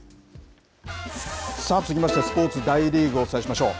さあ、続きまして、スポーツ、大リーグお伝えしましょう。